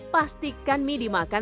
pastikan mie dimakan